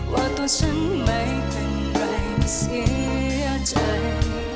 ว่าตัวฉันไม่เป็นไรเสียใจ